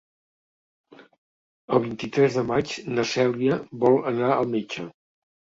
El vint-i-tres de maig na Cèlia vol anar al metge.